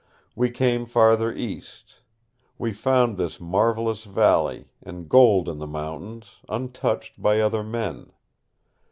We came farther east. We found this marvelous valley, and gold in the mountains, untouched by other men.